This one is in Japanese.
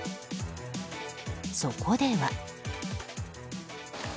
そこでは。